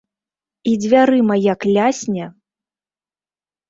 І дзвярыма як лясне!